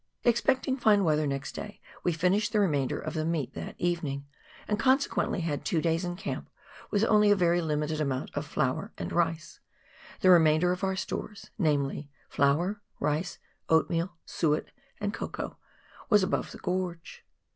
Expecting fine weather next day, we finished the remainder of the meat that evening, and consequently had two ddjs in camp with only a very limited amount of flour and rice ; the remainder of the stores — namely, flour, rice, oatmeal, suet, and cocoa — was above the gorge.